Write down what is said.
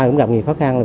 cũng gặp nhiều khó khăn